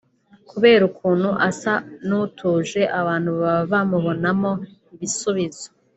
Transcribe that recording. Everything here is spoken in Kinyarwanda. kubera ukuntu asa n’utuje abantu baba bamubonamo ibisubizo